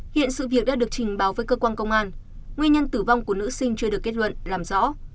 hiện sự việc đã được trình báo với cơ quan công an nguyên nhân tử vong của nữ sinh chưa được kết luận làm rõ